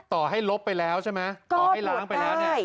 ต่อให้ลบไปแล้วใช่ไหมก็ตรวจได้